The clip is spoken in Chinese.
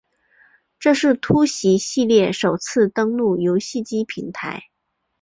这是突袭系列首次登陆游戏机平台。